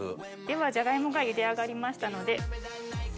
ではジャガイモがゆで上がりましたので。